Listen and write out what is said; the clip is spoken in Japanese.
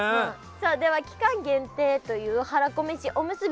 さあでは期間限定というはらこめしおむすび。